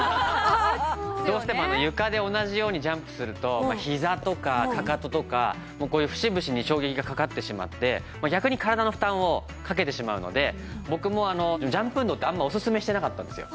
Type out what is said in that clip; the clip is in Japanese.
どうしても床で同じようにジャンプするとひざとかかかととかこういう節々に衝撃がかかってしまって逆に体の負担をかけてしまうので僕もジャンプ運動ってあんまオススメしてなかったんですよ。